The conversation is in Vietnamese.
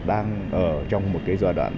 đang ở trong một giai đoạn